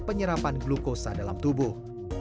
penyerapan glukosa dalam tubuh